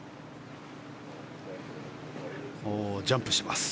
ジャンプしてます。